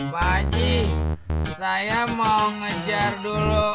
pak haji saya mau ngejar dulu